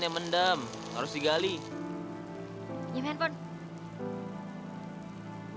president billing terima kasih